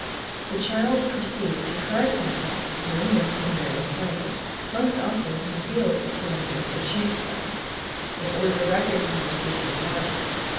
The child proceeds to correct himself, doing this in various ways. Most often he feels the cylinders or shakes them, in order to recognise which are the largest.